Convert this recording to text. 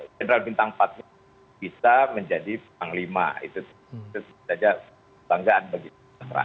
general bintang empatnya bisa menjadi panglima itu tentu saja kebanggaan bagi kesejahteraan